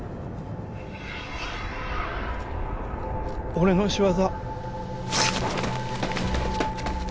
俺の仕業。